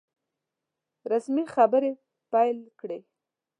رسمي خبري پیل کړې.